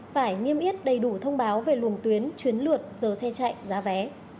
phải niêm yết đầy đủ thông báo về luồng tuyến chuyến lượt giờ xe chạy giá vé